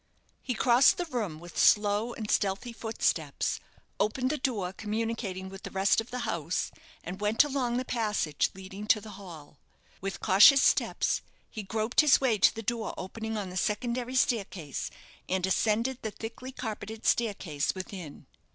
He crossed the room with slow and stealthy footsteps, opened the door communicating with the rest of the house, and went along the passage leading to the hall. With cautious steps he groped his way to the door opening on the secondary staircase, and ascended the thickly carpeted staircase within.